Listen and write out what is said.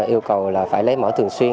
yêu cầu phải lấy mẫu thường xuyên